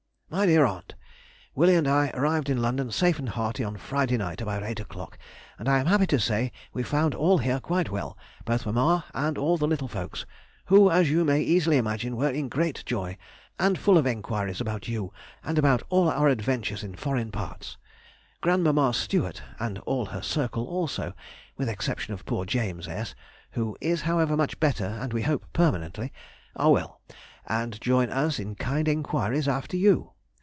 MY DEAR AUNT,— Willie and I arrived in London safe and hearty on Friday night about eight o'clock, and I am happy to say we found all here quite well—both mamma and all the little folks, who, as you may easily imagine, were in great joy, and full of enquiries about you and about all our adventures in foreign parts. Grandmamma Stewart, and all her circle also, with exception of poor James S. (who is, however, much better, and we hope permanently), are well, and join us in kind enquiries after you.